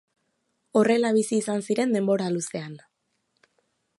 Horrela bizi izan ziren denbora luzean